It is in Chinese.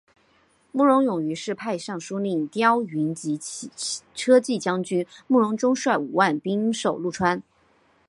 慕容永于是派尚书令刁云及车骑将军慕容钟率五万兵守潞川。